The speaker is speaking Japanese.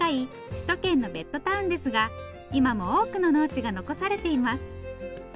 首都圏のベッドタウンですが今も多くの農地が残されています。